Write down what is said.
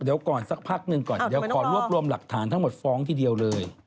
เดี๋ยวก่อนสักพักหนึ่งก่อนเดี๋ยวขอรวบรวมหลักฐานทั้งหมดฟ้องทีเดียวเลย